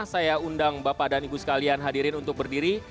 saya undang bapak dan ibu sekalian hadirin untuk berdiri